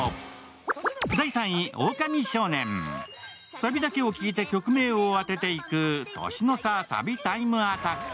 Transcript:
サビだけを聞いて曲名を当てていく「年の差サビタイムアタック」。